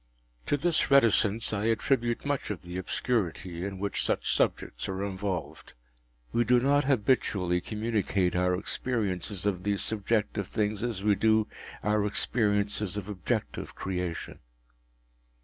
To this reticence I attribute much of the obscurity in which such subjects are involved. We do not habitually communicate our experiences of these subjective things as we do our experiences of objective creation.